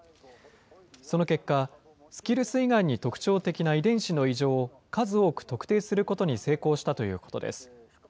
その結果、スキルス胃がんに特徴的な遺伝子の異常を、数多く特定することに成功したということです。